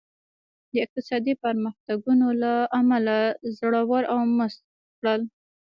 د اقتصادي پرمختګونو له امله زړور او مست کړل.